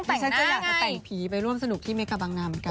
แต่ฉันก็อยากจะแต่งผีไปร่วมสนุกที่เมกาบังนาเหมือนกัน